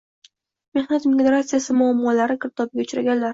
mexnat migratsiyasi muammolari girdobiga uchraganlar